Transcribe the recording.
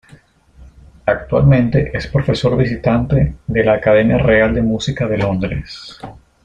Actualmente es profesor visitante en la Academia Real de Música de Londres.